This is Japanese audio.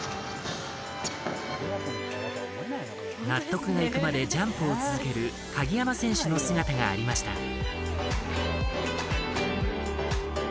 納得がいくまでジャンプを続ける鍵山選手の姿がありました。